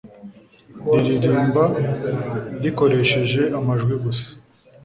riririmba rikoresheje amajwi gusa